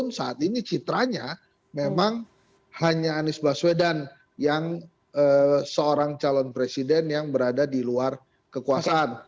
namun saat ini citranya memang hanya anies baswedan yang seorang calon presiden yang berada di luar kekuasaan